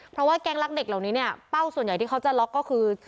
เพราะว่าแก๊งรักเด็กเหล่านี้เนี่ยเป้าส่วนใหญ่ที่เขาจะล็อกก็คือ